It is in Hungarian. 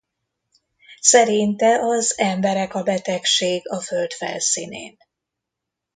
Szerinte az emberek a betegség a föld felszínén.